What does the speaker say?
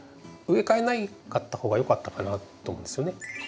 植え替えなかった方がよかったかなと思うんですよね。